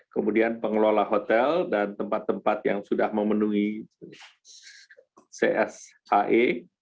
kemudian pengelola hotel dan tempat tempat yang sudah memenuhi cshe